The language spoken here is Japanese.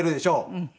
うん。